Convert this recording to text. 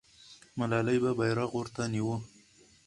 ملالۍ به بیرغ ورته نیوه.